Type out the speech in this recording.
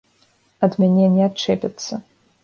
Ад мяне не адчэпяцца.